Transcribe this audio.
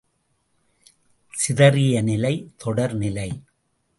சிதறிய நிலை, தொடர் நிலை.